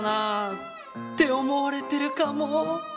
って思われてるかも。